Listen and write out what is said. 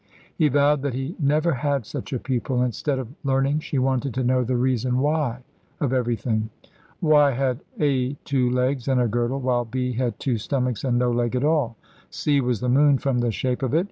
He vowed that he never had such a pupil; instead of learning, she wanted to know the reason why of everything. Why had A two legs and a girdle, while B had two stomachs and no leg at all? C was the moon, from the shape of it.